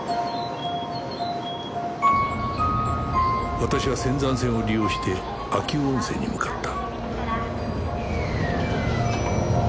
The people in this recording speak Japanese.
私は仙山線を利用して秋保温泉に向かった